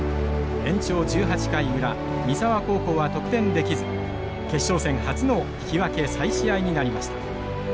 延長１８回裏三沢高校は得点できず決勝戦初の引き分け再試合になりました。